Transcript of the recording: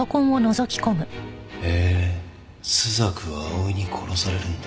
へえ朱雀は葵に殺されるんだ。